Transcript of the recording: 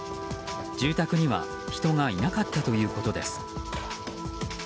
住宅には人がいなかったということです。